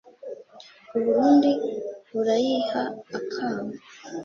u burundi burayiha akamo